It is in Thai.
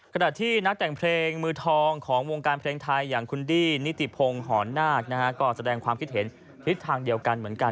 ขณะที่นักแต่งเพลงมือทองของวงการเพลงไทยอย่างคุณดี้นิติพงศ์หอนนาคนะฮะก็แสดงความคิดเห็นทิศทางเดียวกันเหมือนกัน